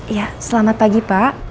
ya selamat pagi pak